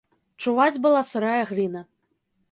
Чуваць была сырая гліна.